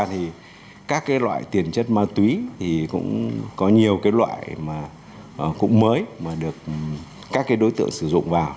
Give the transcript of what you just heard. thì các loại tiền chất ma túy thì cũng có nhiều loại cũng mới mà được các đối tượng sử dụng vào